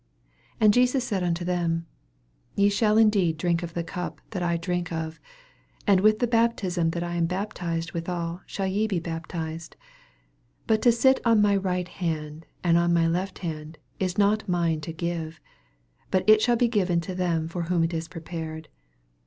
And Jesus said unto them, Ye shall indeed drink of the cup that I drink of: and with the baptism that I am baptized withal shall ye be bap tized : 40 But to sit on my right hand and on my left hand is not mine to give ; but it shall be given to thm for whom it is prepared.